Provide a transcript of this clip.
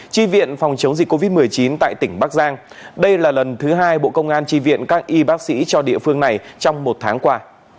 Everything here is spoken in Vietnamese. tri viện phòng chống dịch covid một mươi chín tại tỉnh bắc giang đây là lần thứ hai bộ công an tri viện các y bác sĩ cho địa phương này trong một tháng qua